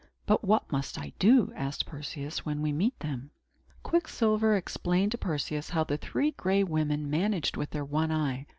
"But what must I do," asked Perseus, "when we meet them?" Quicksilver explained to Perseus how the Three Gray Women managed with their one eye.